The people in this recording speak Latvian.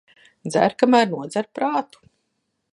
Dzer, kamēr nodzer prātu.